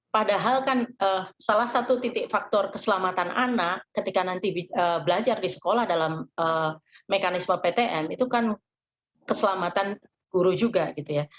padahal kan salah satu titik faktor keselamatan anak ketika nanti belajar di sekolah dalam mekanisme ptm itu kan keselamatan guru juga gitu ya